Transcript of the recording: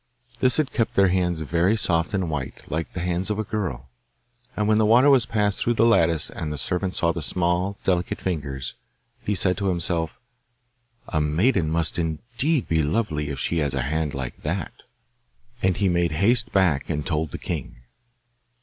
This had kept their hands very soft and white, like the hands of a girl, and when the water was passed through the lattice, and the servant saw the small, delicate fingers, he said to himself: 'A maiden must indeed be lovely if she has a hand like that.' And he made haste back, and told the king.